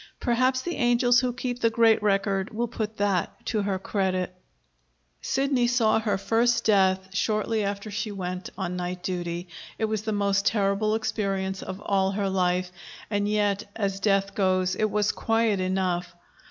Perhaps the angels who keep the great record will put that to her credit. Sidney saw her first death shortly after she went on night duty. It was the most terrible experience of all her life; and yet, as death goes, it was quiet enough.